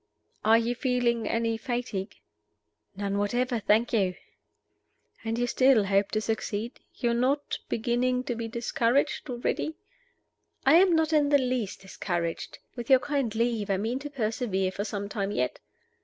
"Are you feeling any fatigue?" "None whatever, thank you." "And you still hope to succeed? You are not beginning to be discouraged already?" "I am not in the least discouraged. With your kind leave, I mean to persevere for some time yet."